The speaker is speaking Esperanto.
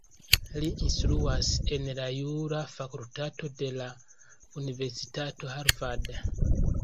Li instruas en la jura fakultato de la Universitato Harvard.